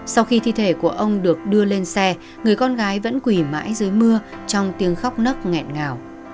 sau khi thi thể của ông được đưa lên xe người con gái vẫn quỳ mãi dưới mưa trong tiếng khóc nấc nghẹn ngào